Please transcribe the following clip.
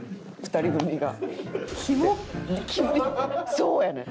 そうやねん。